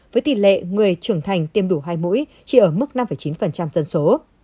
với tỷ lệ người trưởng thành tiêm đủ hai mũi chỉ ở mức năm chín dân số